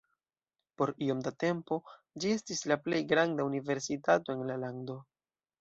Por iom da tempo, ĝi estis la plej granda universitato en la lando.